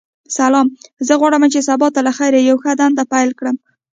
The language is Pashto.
سلام ،زه غواړم چی سبا ته لخیر یوه ښه دنده پیل کړم.